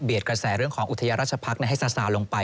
เบียดกระแสเรื่องอุทยรัชภัคดิ์ให้สาดสารลงไป